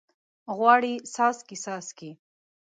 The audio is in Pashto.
غواړي څاڅکي، څاڅکي